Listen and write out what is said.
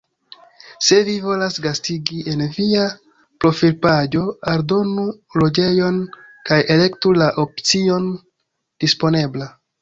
Se vi volas gastigi, en via profilpaĝo aldonu loĝejon kaj elektu la opcion Disponebla.